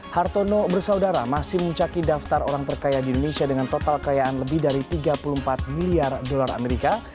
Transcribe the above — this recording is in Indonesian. hartono bersaudara masih mencaki daftar orang terkaya di indonesia dengan total kekayaan lebih dari tiga puluh empat miliar dolar amerika